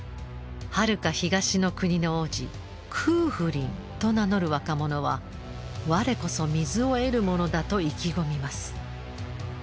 はるか東の国の王子空賦鱗と名乗る若者は我こそ水を得る者だと意気込みます。